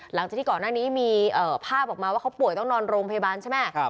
หลังจากที่ก่อนหน้านี้มีภาพออกมาว่าเขาป่วยต้องนอนโรงพยาบาลใช่ไหม